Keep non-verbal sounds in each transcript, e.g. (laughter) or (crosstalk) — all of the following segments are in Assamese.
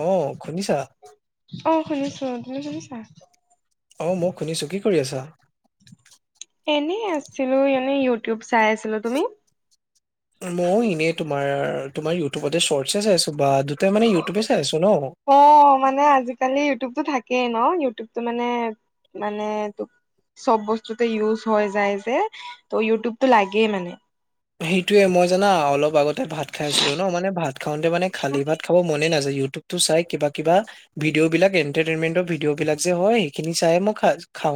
অ শুনিছা? অ শুনিছো। তুমি শুনিছা? অহ, মও শুনিছো কি কৰি আছা? এনে আছিলো এনে ইউটিউব চাই আছিলো তুমি? মই এনে তোমাৰ -তোমাৰ ইউটিউবতে চর্টচে চাই আছিলোঁ। অ মানে আজিকালি ইউটিউবতো থাকে। একে ন ইউটিউব টো মানে মানে তোক চব বস্তুতে ইউজ হৈ যায় যে ত ইউটিউবটো লাগে মানে। সেইটোয়ে মই জানা অলপ আগত ভাত খাইছিলো ন মানে ভাত খাওঁতে মানে খালি ভাত খাব মনে নাযায়। তো চাই কিবা কিবা ভিডিঅ বিলাক ইন্টাৰটেইনমেন্টৰ ভিডিঅ বিলাক যে হয় সেইখিনি চাইয়ে মই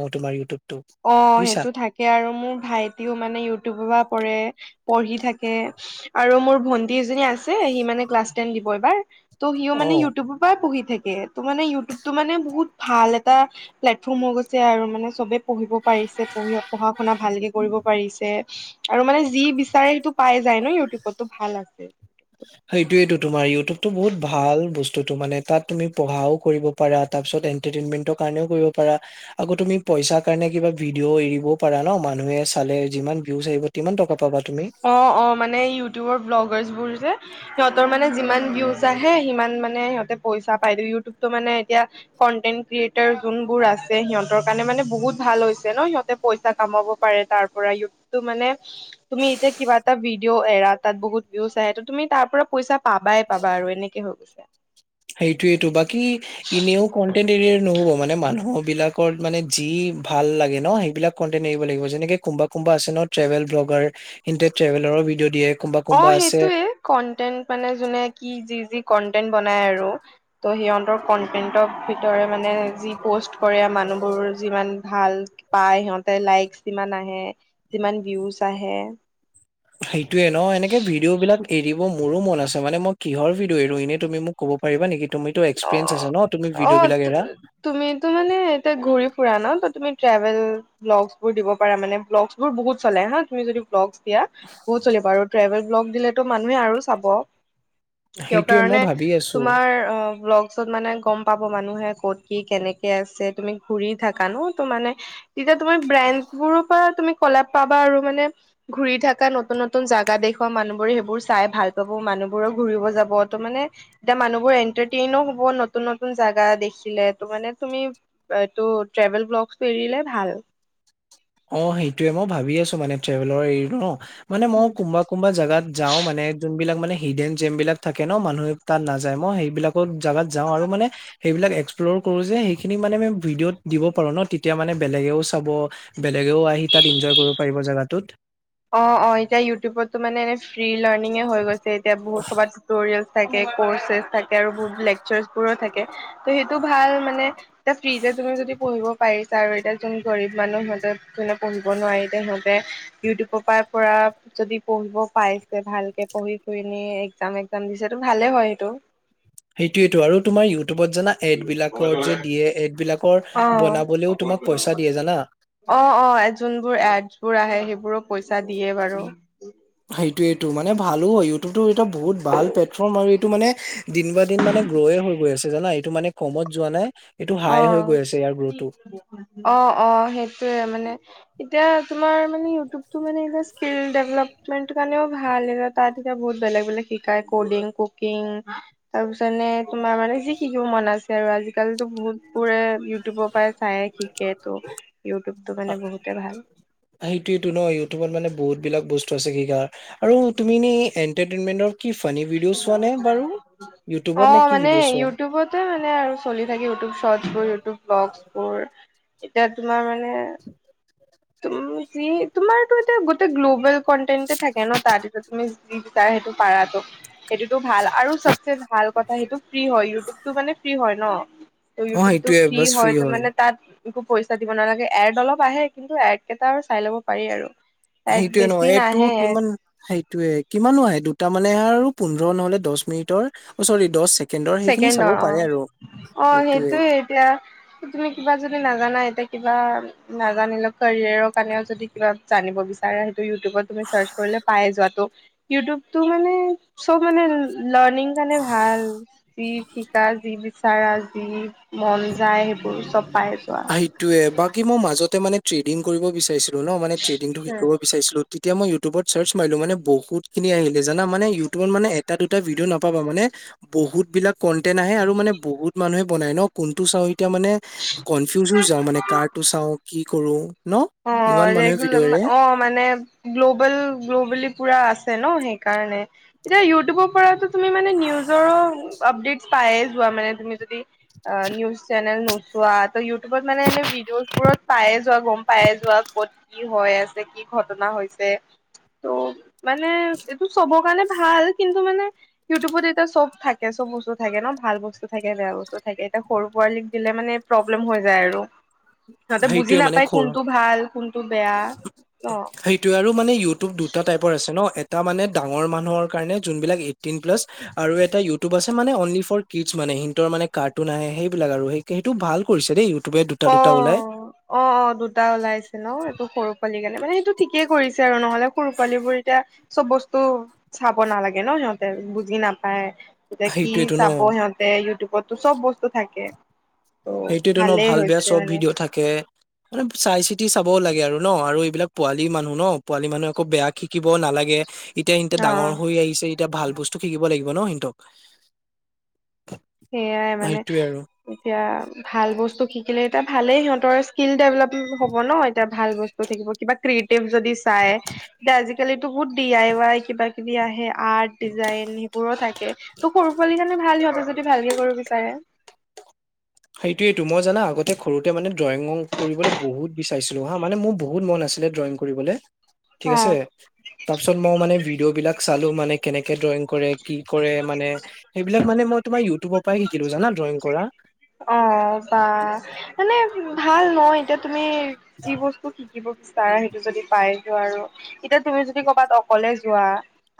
(inaudible) তোমাৰ ইউটিউব। অ সেইটো থাকে আৰু মোৰ ভাইটিও মানে ইউটিউবৰ পৰা পৰে পঢ়ি থাকে আৰু মোৰ ভন্টি দুইজনী আছে সি মানে ক্লাছ টেন দিব এইবাৰ ত' সিও মানে অহ ইউটিউবৰ পৰাই পঢ়ি থাকে ত মানে ইউটিউব তটো মানে বহুত ভাল এটা প্লেটফৰ্ম হৈ গৈছে আৰু মানে চবে পঢ়িব পাৰিছে পঢ়ি পঢ়া শুনা ভালকে কৰিব পাৰিছে। আৰু মানে যি বিচাৰে সেইটো পাই যায় ন ইউটিউবতো ভাল আছে। সেইটোয়েইটো তোমাৰ ইউটিউবতো বহুত ভাল বস্তুটো মানে, তাত তুমি পঢ়াও কৰিব পাৰা, তাৰ পিছত এণ্টাৰটেইনমেন্টৰ কাৰাণও কৰিব পাৰা আকৌ তুমি পইচাৰ কাৰণে কিবা ভিডিঅ এৰিবও পাৰা ন' মানুহে চালে যিমান ভীউচ আহিব তিমান টকা পাবা। তুমি অহ - অহ মানে ইউটিউবৰ ব্লোগাৰ্চ বোৰ সিহঁতৰ মানে যিমান ভিউজ আহে সিমান মানে সিহঁতে পইচা পাই ইউটিউবটো মানে এতিয়া কনটেন ক্ৰিয়েটাৰ যোনবোৰ আছে সিহঁতৰ কাৰণে মানে বহুত ভাল হৈছে ন' সিহঁতে পইচা কামাব পাৰে তাৰ পৰা ইউটিউবটো মানে তুমি এতিয়া কিবা এটা ভিডিঅ' এৰা তাত বহুত ভিউজ আহে ত' তুমি তাৰ পৰা পইচা পাবাই পাবা আৰু এনেকে পইচা সেইটোয়েতো বাকী বিলাকত মানে যি ভাল লাগে ন' সেইবিলাক কন্টেন্ট এৰিব লাগিব যেনেকে কোমবা- কোমবা আছে ন' ট্ৰেভেল ব্লগ ব্লগাৰ হিন্তে ট্ৰেভেলৰ ভিডিঅ' দিয়ে কোনোবা অহ, কোনোবা আছে সেইটোয়ে কন্টেন্ট মানে যোনে কি জি- জি কন্টেন্ট বনাই আৰু ত' সিহঁতৰ কন্টেন্টক ভিতৰে মানে যি প'ষ্ট কৰে মানুহবোৰ যিমান ভাল পায় সিহঁতে লাইক যিমান আহে যিমান ভিউজ আহে সেইটোয়ে ন' এনেকে ভিডিঅ' বিলাক এৰিব মোৰো মন আছে মানে মই কিহৰ ভিডিঅ এৰো ইনে তুমি মোক ক'ব পাৰিবা নেকি? তুমিতো এক্সপিৰিয়েঞ্চ আছে অহ ন তুমি ভিডিঅ' -অহ বিলাক এৰা তুমিতো মানে এতিয়া ঘূৰি পুৰা ন' ত ' তুমি ট্ৰেভেল ব্লগছ বোৰ দিব পাৰা মানে ব্লগছ বোৰ বহুত চলে হা তুমি যদি ব্লগচ এতিয়া বহুত চলিব আৰু ট্ৰেভেল ব্লগ দিলো মানুহে আৰু চাব। কিয় সেইটোৱে মই কাৰণে ভাবি আছো তোমাৰ অ', ব্লগছত মানে গম পাব মানুহে ক'ত কি কেনেকে আছে তুমি ঘুৰি থাকা ন' তো মানে তেতিয়া তুমাৰ ব্ৰেণ্ডবোৰৰ পৰা তুমি কলেব পাবা আৰু মানে ঘুৰি থাকা নতুন -নতুন জাগা দেখওুৱা মানুহ বোৰে সেইবোৰ চাই ভাল পাব মানুহ মানুহবোৰো ঘুৰিব যাব ত' মানে এতিয়া মানুহ বোৰ এন্টৰ ট্ৰেইন হ'ব নতুন -নতুন জাগা দেখিলে ত'মানে তুমি এইটো ট্ৰেভেল ব্লগচটো এৰি (unintelligible) ভাল অহ, সেইটোয়ে মই ভাবি আছো মানে ট্ৰেভেলৰ এৰো ন', মানে উম মই কোনবা- কোনবা জেগাত যাও মানে যোনবিলাক মানে হিডেন জেম বিলাক থাকে ন'মানুহে তাত নাযায় মই সেইবিলাকো জাগাত যাওঁ আৰু মানে সেইবিলাক এক্স প্লৰ কৰো যে সেইখিনি মানে আমি ভিডিঅত দিব পাৰো ন'তেতিয়া মান বেলেগেও চাব বেলেগেও আহি তাত ইনজয় কৰিব পাৰিব জেগাতোত। অহ - অহ এতিয়া ইউটোবত ত' মানে এনে ফ্ৰী লাৰ্ণিং হৈ গৈছে এতিয়া বহুত সবা টিউটৰিয়েল থে কৰ্চ থাকে আৰু লেকচাৰ্চ বোৰো থাকে ত সেইটো ভাল মানে। এতিয়া ফ্ৰীতে তুমি যদি পঢ়িব পাৰিছা আৰু এতিয়া যোন গৰীব মানুহঁতে যোনে পঢ়িব নোৱাৰিল হক। ইউটোবৰ পৰা পুৰা যদি পঢ়িব পাইছে ভালকে পঢ়ি শুৰি নি একজাম। জাম দিছে টো ভালে হয় সেইটো। সেইটোয়েটো আৰু তোমাৰ ইউটিউবত জানা এড বিলাকৰ যে দিয়ে এড বিলাক অ', জানা। (inaudible) অ', - অ', যোনবোৰ এড (unintelligible) বোৰ আহে সেইবোৰো পইচা দিয়ে বাৰু সেইটোৱেইটো মানে ভালো হয় ইউটিউবটো এটা বহুত ভাল প্লেটফৰ্ম আৰু এইটো মানে দিন বা দিন মানে গ্ৰয়ে হৈ গৈ আছে জানা এইটো মানে কমত যোৱা নাই এইটো হাই হৈ অহ গৈ আছে ইয়াৰ গ্ৰ'থটো। -অহ -অহ সেইটোয়ে মানে এতিয়া তোমাৰ মানে ইউটিউবটো মানে স্কিল ডেভলপমেণ্টৰ কাৰণেও ভাল এতিয়া তাত এতিয়া বহুত বেলেগ -বেলেগ শিকাই কডিং, কুকিং তাৰ পিছত নে তোমাৰ মানে যি শিকিব মন আছে আৰু আজিকালি তো বহুতবোৰে ইউটিউবৰ পৰাই চাই শিকে তো ইউটিউবটো মানে বহুতে ভাল (inaudible) সেইটোয়টো ন' ইউটিউবত মানে বহুত বিলাক বস্তু আছে (unintelligible) আৰু তুমি এনে এণ্টাৰটেইমেণ্টৰ কি ফানী ভিডিঅ' চোৱা নে বাৰু? ইউটিউবত নে অহ, কি মানে ভিডিঅ' চোৱা? ইউটিউবতে মানে আৰু চলি থাকে ইউটিউব শট গৈ ইউটিউব ব্লগচ বোৰ এতিয়া তোমাৰ মানে তুম যি তোমাৰতো এতিয়া গোতেই গ্ল'বেল কন্টেন্টে থাকে ন' তাত এতিয়া তুমি যি বিচাৰা সেইটো পাৰটো সেইটোতো ভাল আৰু চবেচে। ভাল কথা সেইটো ফ্ৰী হয় ইউটিউবটো মানে ফ্ৰী হয় ন। ত অ', ইউটোবটো সেইটোয়ে ফ্ৰি বছ ফ্ৰী হয় তো মানে তাত। একো পইচা দিব নালাগে এৰ্ড অলপ আহে কিন্তু এৰ্ড কেইটা চাই ল'ব পাৰি আৰু। এড সেইটোয়ে ন বেছি এইটো নাহে এড কিমান সেইটোয়ে কিমানো আহে। তাৰ মানে আৰু পোন্ধৰ নহলে দহ মিনিটৰ অ ছৰি দছ চেক। চেকেণ্ডৰ অ অ সেইটোয়ে এতিয়া তুমি কিবা যদি নাজানা এতিয়া। কিবা নাজানিলেও কেৰিয়াৰ কাৰণেও যদি কিবা জানিব বিচাৰে। উটোবত তুমি চাৰ্চ কৰিলে পায় যোৱাটো ইউটোবটো মানে চব মানে। লাৰ্ণিং কাৰণে ভাল যি শিকা যি বিচাৰা যি। মন যায় সেইবোৰ চব পাই যোৱা সেইটোৱে বাকী মোৰ মাজতে মানে। ট্ৰেডিং কৰিব বিাৰিছিলো ন মানে ট্ৰেডিংটো উম শিকিবাব বিচাৰিছিলো। তেতিয়া মই ইউটোবত চাৰ্চ মাৰিলো মানে বহুত খিনি আহিলে জান মানে ইউটোবত মান এটা দুটা ভিডিঅ নাপাব মানে। বহুত বিলাক কন্টেন্ট আহে আৰু মানে বহুত মানুহে বনাই ন। কোনটো চাওঁ এতিয়া মানে কনফিউজ হৈ যাওঁ মানে কাৰটো চাওঁ কি কৰো। ন অ ইমান মানুহে ৰেগুলাৰ ভিডিঅ'ৰে অ মানে গ্ল'বেল গ্ল'বেলি পুৰা আছে। সেই কাৰণে ইউটোবৰ এতিয়া তুমি মানে নিউজৰ পৰা আপডেত। পায়ে যোৱা মানে তুমি যদি অ নিউজ চেনেল নোচোৱা ত ইউটোবত মানে এনে ভিডিঅ বোৰ। পায়ে যোৱা গম। পাই যোৱা ক'ত কি হৈ আছে কি ঘটনা হৈছে ত। মানে এইটো চবৰ কাৰণে। ভাল কিন্তু মানে ইউটোবত এতিয়া চব থাকে চব বস্তু থাকে ন ভাল বস্তু থাকে বেয়া বস্তু থাকে। এ সৰু পোৱালীক দিলে মানে প্ৰব্লেম হৈ যায় আৰু সিহঁতে বুজি নাপায়। (inaudible) কোনটো ভাল কোনটো বেয়া ন। অ সেইটো আৰু মান দুটা টাপৰ আছে ন এ। টা মানে ডাঙৰ মানুহৰ কাৰণে যোনবিলাক এইটিন প্লাছ আৰু এটা ইউটোব আছে মানে অনলি ফৰ কিডছ মানে। ন হিৰ মানে কাৰ্টন আহে সেইবিলাক আৰু সেই সেইটো ভাল কৰিছে দেই ইউটিউবে দুটা দুটা ওলাই। অ অ অ দুটা ওলাইছে ন এইটো সৰু পালি গালে মানে সেইটো ঠিকেই কৰিছে আৰু ন। নহলে সৰু পোৱালী বোৰ এতিয়া চব বস্তু চাব নালাগে ন সিহঁতে বুজি নাপায়। তেতিয়া কি সেইটোৱেতো ন চাব সিহঁতে ইউটিউবতো চব বস্তু থাকে। সেইটোয়তো ন ভালেই ভাল বেয়া হৈছে চব মানে। ভিডিঅ' থাকে মানে চাই চিতি। চাবও লাগে আৰু ন আৰু এইবিলাক পোৱালি মানুহ ন পোৱালি মানুহ আকৌ বেয়া শিকিবও নালাগে এতিয়া সিহতে অ ডাঙৰ হৈ আহিছে এতিয়া ভাল বস্তু শিকিব লাগিব ন সিহঁতক। সেইয়াই মানে সেইটোৱে আৰু এতিয়া ভাল বস্তু শিকিলে এতিয়া ভালেই সিহঁতৰ স্কিল ডেভেলপ হ'ব ন এতিয়া। ভাল বস্তু থাকিব কিবা ক্ৰিয়েটিভ যদি চাই আজিকালিটো বহুত ডি আই ৱাই কিবা কিবি আহে। আৰ্ট ডিজাইন সেইবোৰো থাকে ত' সৰু পোৱালি কাৰানে ভাল সিহঁতে যদি। ত ভালকে কৰিব বিচাৰে। সেইটোয়েইটো মই জানা আগতে সৰুতে মানে ড্ৰয়িং কৰিবলৈ বহুত বিচাৰিছিলো হা মানে মোৰ বহুত মন আছিল। ছিলে ড্ৰয়িং কৰিবলে। ঠিক অ আছে, তাৰপিছত মই মানে ভিডিঅ' বিলাক চালো মানে কেনেকে ড্ৰয়িং কৰে। কি কৰে মানে সেইবিলাক মানে মই তোমাৰ ইউটিউবৰ পৰাই শিকিলো জানা ড্ৰয়িং কৰা। অ বা মানে ভাল নহ এতিয়া তুমি যি বস্তু শিক শিকিব বিচাৰা সেইটো যদি পাই যোৱা আৰু এতিয়া তুমি যদি কৰ'বাত অকলে যোৱা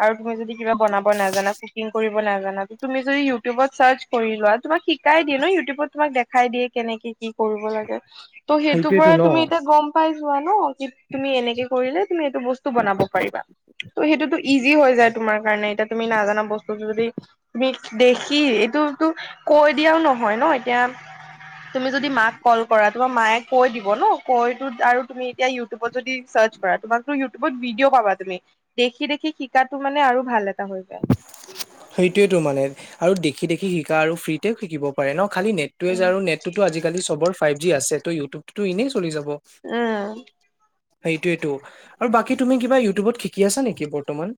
আৰু তুমি যদি কিবা বনাব নাজানা কুকিং কৰিব নাজানো তুমি যদি ইউটিউবত চাৰ্চ কৰি লোৱা তোমাক শিকাই দিয়া ন ইউটিউবত তোমাক দেখাই দিয়ে। কেনেকে কি কৰিব লাগে ত' সেইটোৰ সেইটোয়েতো পৰা ন তুমি এতিয়া গম পাই যোৱা ন। তুমি এনেকে কৰিলে তুমি এইটো বস্তু বনাব পাৰিবা। ত' সেইটোতো ইজি হৈ যায় তোমাৰ কাৰণে এতিয়া তুমি নাজানা। বস্তুটো যদি তুমি দেখি এইটোতো কৈ দিয়াও নহয় ন এতিয়া। তুমি যদি মাক কল কৰা তোমাৰ মায়ে কৈ দিব ন কৈ ত আৰু তুমি এতিয়া ইউটিউবত যদি। চাৰ্জ কৰা তোমাক ইউটিউবত ভিডিঅ' পাবা তুমি দেখি দেখি শিকাটো মানে আৰু ভাল। া হৈ প (inaudible) সেইটোয়ো মানে আৰু দেখি দেখি শিকা আৰু ফ্ৰীতে শিকিব পাৰে ন। খালি নেটোৱে য উম। আৰু নেট টোতো আজিকালিৰ ফাইভ জি আছে ত ইউটিউবতো এনেই। চলি যাব। উম, সেইটোৱেটো আৰু বাকী তুমি কিবা ইউটিউবত শিকি আছা নেকি বৰ্তমান?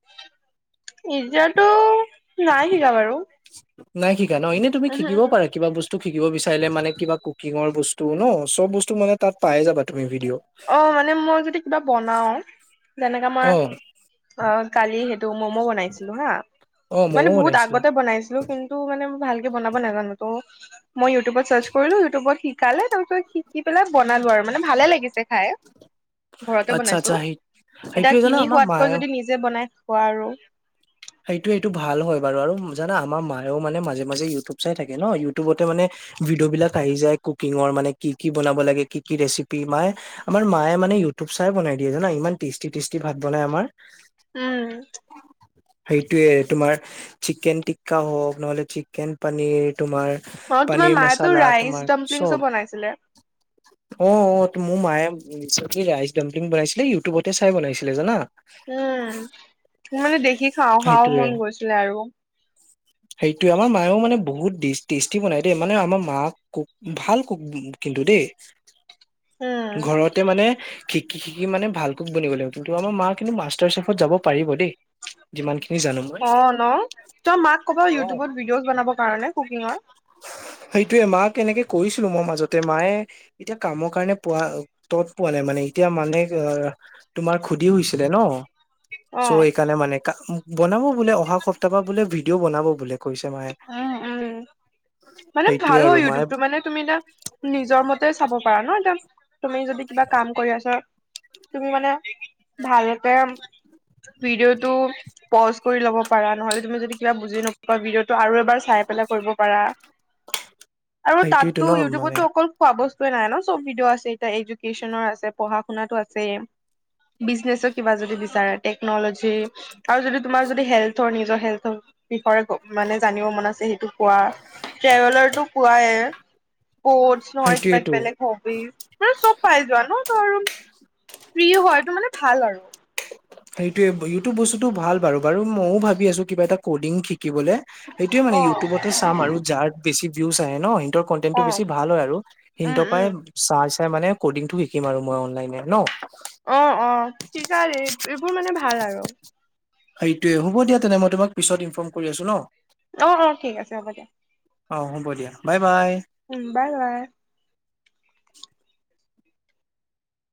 এতিয়াটো নাই শিকা বাৰু। নাই শিকা ন এনেই তুমি উহু শিকিব উহু পাৰা কিবা বস্তু। শিকিব বিচাৰিলে মানে কিবা কুকিঙৰ বস্তু ন চব বস্তু মানে তাত পাই যাবা। তুমি ভিডিঅ' অ মানে মই যদি কিবা বনাও যেনেকা মই অ অ কালি। ম'ম' বনাইছিলো হা অ মানে ম'ম' বহুত বনাইছিলা আগতে বনাইছিলোঁ। কিন্তু মানে ভালকে বনাব নাজানো ত মই ইউটিউবত চাৰ্চ কৰিলো ইউটিউবত শিকালে তাৰ পিছত শিকি পেলাই বনালো আৰু মানে ভালে লাগিছে খাই। ঘৰতে আচ্ছা আচ্ছা বনাইছো সেই এতিয়া সেইটোৱে জানা কিনি আমাৰ খোৱাতকৈ মায়েও যদি নিজে বনাই খোৱা আৰু। সেইটো সেইটো ভাল হয় বাৰু আৰু জানা আমাৰ মায়েও মানে মাজে মাজে ইউটিউব চাই থাকে ন ইউটিউবতে মানে ভিডিঅ' বিলাক আহি যায় কুকিঙৰ মানে কি কি বনাব লাগে কি কি ৰেচিপি মায়ে আমাৰ মায়ে মানে ইউটিউব চাই বনাই দিয়ে জানা ইমান টেষ্টি টষ্টি ভাত বনাই আমাৰ। উম! সেইটোয়ে তোমাৰ চিকেন টিক্কা হওঁক নহ'লে চিকেন পনীৰ তোমাৰ অ তোমাৰ পানীৰ মায়েতো মচালা ৰাইচ তোমাৰ ডাম্পলিংছো চব বনাইছিলে। অ অ মোৰ মায়ে ৰাইচ ডাম্পিং বনাইছিলে ইউটিউবতে চাই বনাইছিলে জানা। উম মানে দেখি খাওঁ খাও সেইটোয়ে মন গৈছিলে আৰু। সেইটোয়ে আমাৰ মায়েও মানে বহুত টেষ্টি বনাই দেই মানে আমাৰ মাক কুক ভাল কুক দেই। (inaudible) অ ঘৰতে মানে শিকি শিকি মানে ভাল কুক বনিব লাগিব কিন্তু আমাৰ মা কিন্তু মাষ্টৰ চেফত যাব পাৰিব দেই যিমান খি অ ন তই মাক ক'ব অ ইউটিউবত ভিডিঅ'জ বনাব কাৰণে কুকিঙৰ। সেইটোয়ে মাক তেনেকে কৈছিলো মই মাজতে মায়ে এতিয়া কামৰ কাৰণে পোৱা তত পোৱা নাই মানে এতিয়া মানে তোমাৰ খুধি হৈছিলে ন চ' অ। সেইকাৰণে মানে বনাব বোলে অহা সপ্তাহ বা বোলে ভিডিঅ' বনাব বোলে। কৈছে মায়ে অ অ। মানে সেইটোয়ে ভাল আৰু হয় মায়ে ইউটিউবটোটো মানে তুমি এটা নিজৰ মতে চাব পাৰা ন এটা তুমি যদি কিবা কাম কৰি আছ তুমি মানে ভালকে ভিডিঅ' টো প'জ কৰি লব পাৰা নহলে তুমি যদি কিবা বুজি নপোৱা ভিডিঅ' টো‌ আৰু এবাৰ চাই পেলাই কৰিব পাৰা আৰু সেইটোয়েতো তাতো ন মানে ইউটিউবতো অকল খোৱা বস্তু নাই ন চব ভিডিঅ' আছে এটা এডুকেনৰ আছে পঢ়া শুনাটো আছে বিজনেছ চ কিবা যদি বিচাৰা তেক্নলজি আৰু যদি তোমাৰ যদি হেল্থ ৰ নিজৰ হেল্থৰ বিষৰে ক ট্ৰেভেলাৰটো পোৱাই স্পৰ্টছ নহয় কিবাক সেইটোয়েতো বেলেগ হবিজ। মে চব পাই যোৱা চ ৰোম‌ ফ্ৰ্ৰী হয় এইটো মানে ভাল আৰু। সেইটোৱে এইটো বস্তুটো ভাল বাৰু বাৰু মইও ভাবি আছো কিবা এটা কডিং শিক শিকিবলে সেইটোয়ে মানে অ ইউটিউবতে চাম আৰু যাৰ বেছি ভিউজ আহে ন। ত কন্টেন্টটো অ ভাল‌ হয় আৰু উম ইন্টপাই উম চাৰ্চ মানে কডিংটো শিকিম আৰু অনলাইনত ন। মোৰ মানে ভাল আৰু। সেইটোয়ে হ'ব দিয়া তেনে মই তোমাক পিছত ইনফৰ্ম কৰি আছো ন অ অ ঠিক আছে হ'ব দিয়া অ হ'ব দিয়া বাই বাই উম বাই বাই (unintelligible)